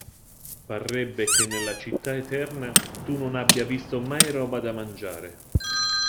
Parrebbe che nella Città Eterna tu non abbia visto mai roba da mangiare.